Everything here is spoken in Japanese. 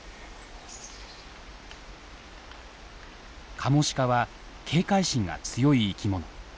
カモシカは警戒心が強い生きもの。